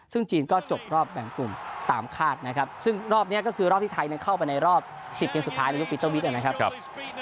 ซึ่งจีนก็จบรอบแบ่งกลุ่มตามคาดนะครับซึ่งรอบนี้ก็คือรอบที่ไทยเข้าไปในรอบ๑๐เกมสุดท้ายในยุคปีเตอร์วิทย์นะครับ